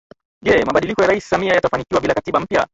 Je mabadiliko ya Rais Samia yatafanikiwa bila Katiba mpya